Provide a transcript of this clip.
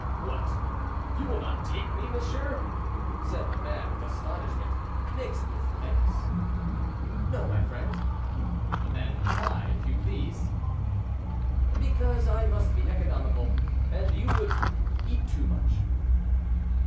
"What! you will not take me, monsieur?" said the man, with astonishment, mixed with menace. "No, my friend." "And why, if you please?" "Because I must be economical, and you would eat too much."